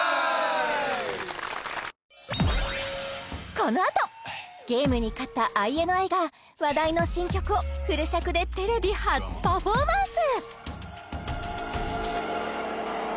このあとゲームに勝ったＩＮＩが話題の新曲をフル尺でテレビ初パフォーマンス！